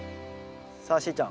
さあしーちゃん